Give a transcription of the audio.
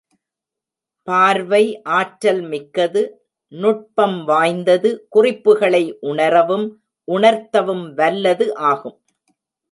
பார்வை ஆற்றல் மிக்கது நுட்பம் வாய்ந்தது குறிப்புகளை உணரவும் உணர்த்தவும் வல்லது ஆகும்.